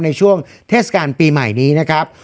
ในช่วงเทศกาลปีใหม่นี้นะครับ